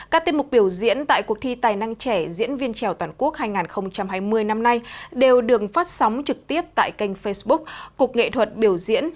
các tiết mục biểu diễn tại cuộc thi tài năng trẻ diễn viên trèo toàn quốc hai nghìn hai mươi năm nay đều được phát sóng trực tiếp tại kênh facebook cục nghệ thuật biểu diễn